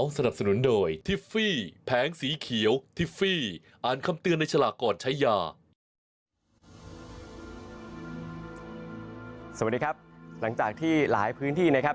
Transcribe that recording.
สวัสดีครับหลังจากที่หลายพื้นที่นะครับ